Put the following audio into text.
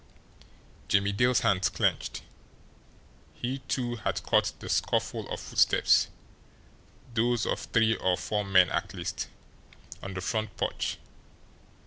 Jimmie Dale's hands clenched. He, too, had caught the scuffle of footsteps, those of three or four men at least, on the front porch.